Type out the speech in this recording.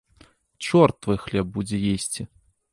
Чорт твой хлеб будзе есці!